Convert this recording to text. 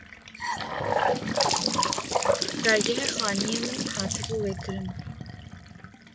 Dergehê xanîyê min hatibû vekirin